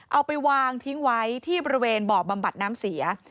เอาไปวางทิ้งไว้ที่บริเวณบ่อบำบัดน้ำเสีย